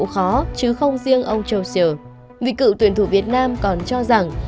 không riêng ông chausseur vì cựu tuyển thủ việt nam còn cho rằng